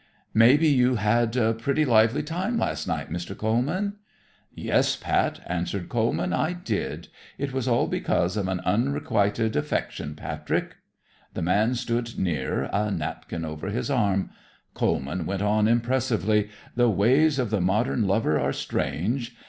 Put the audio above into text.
"May be you had a pretty lively time last night, Mr. Coleman?" "Yes, Pat," answered Coleman. "I did. It was all because of an unrequitted affection, Patrick." The man stood near, a napkin over his arm. Coleman went on impressively. "The ways of the modern lover are strange.